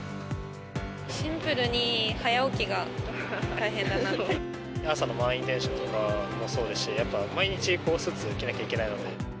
シンプルに早起きが大変だな朝の満員電車とかもそうですし、やっぱ毎日スーツを着なきゃいけないので。